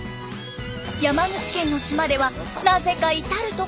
山口県の島ではなぜか至る所に絵が！